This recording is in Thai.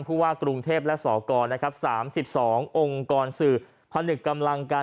ผู้ว่ากรุงเทพและสกนะครับ๓๒องค์กรสื่อผนึกกำลังกัน